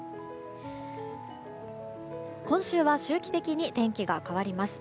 今週は周期的に天気が変わります。